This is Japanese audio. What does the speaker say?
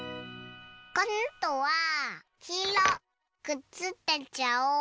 こんどはきいろくっつけちゃおう。